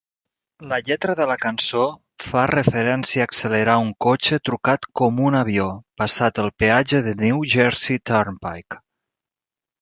La lletra de la cançó fa referència a accelerar un cotxe trucat "com un avió" passat el peatge de New Jersey Turnpike.